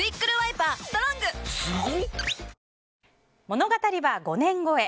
物語は５年後へ。